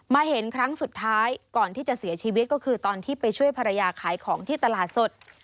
เห็นครั้งสุดท้ายก่อนที่จะเสียชีวิตก็คือตอนที่ไปช่วยภรรยาขายของที่ตลาดสด